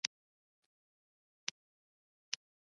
مصنوعي ځیرکتیا د ځواک تمرکز زیاتولی شي.